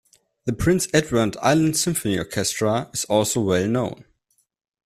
The Prince Edward Island Symphony Orchestra is also well-known.